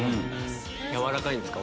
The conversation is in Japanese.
軟らかいんですか？